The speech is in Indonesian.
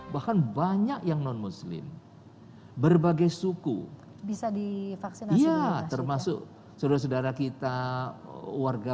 bahkan banyak yang non muslim berbagai suku bisa divaksin iya termasuk saudara saudara kita warga